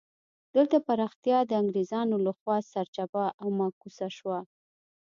دلته پراختیا د انګرېزانو له خوا سرچپه او معکوسه شوه.